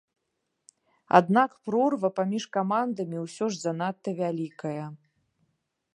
Аднак прорва паміж камандамі ўсё ж занадта вялікая.